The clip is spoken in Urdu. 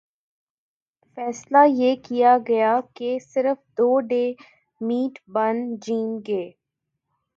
فیصلہ یہ کیا گیا کہہ صرف دو ڈے میٹھ بن ج گے